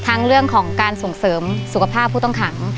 เรื่องของการส่งเสริมสุขภาพผู้ต้องขัง